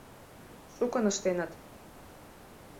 — Шукын ыштеныт.